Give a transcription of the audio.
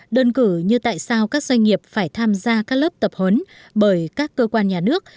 đơn cử như tại sao các doanh nghiệp phải tham gia các lớp tập huấn bởi các cơ quan nhà nước